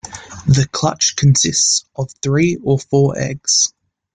The clutch consists of three or four eggs.